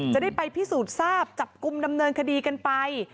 จะได้ไปพิสูจน์ทราบจับกลุ่มดำเนินคดีกันไป